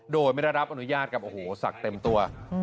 โดยไม่ได้รับอนุญาตกับโอ้โหศักดิ์เต็มตัว